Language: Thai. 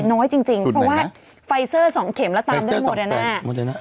น้อยจริงเพราะว่าไฟเซอร์๒เข็มแล้วตามด้วยโมเดน่า